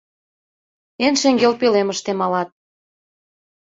Эн шеҥгел пӧлемыште малат.